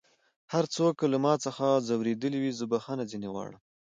هر څوک که له ما څخه ځؤرېدلی وي زه بخښنه ځينې غواړم